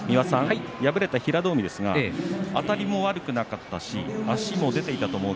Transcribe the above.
敗れた平戸海ですがあたりも悪くなかったし足も出ていたと思う。